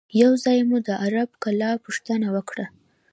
یو ځای مو د عرب کلا پوښتنه وکړه.